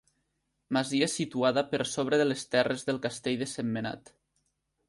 Masia situada per sobre de les terres del castell de Sentmenat.